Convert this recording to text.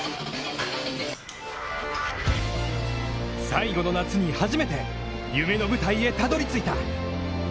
最後の夏に初めて、夢の舞台へたどり着いた！